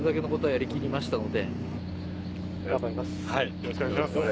・よろしくお願いします